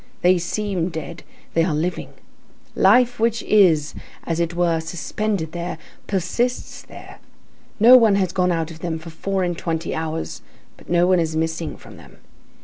They seem dead, they are living. Life which is, as it were, suspended there, persists there. No one has gone out of them for four and twenty hours, but no one is missing from them.